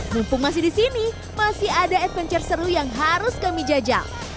mumpung masih di sini masih ada adventure seru yang harus kami jajal